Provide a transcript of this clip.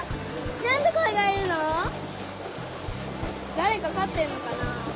だれかかってんのかな？